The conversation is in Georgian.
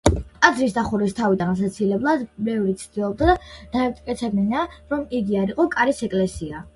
ტაძრის დახურვის თავიდან ასაცილებლად მრევლი ცდილობდა დაემტკიცებინა, რომ იგი არ იყო კარის ეკლესია.